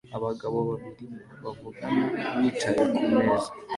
Abagabo babiri bavugana bicaye kumeza